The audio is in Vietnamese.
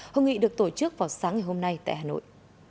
hội nghị được tổ chức vào sáng ngày hôm nay tại hà nội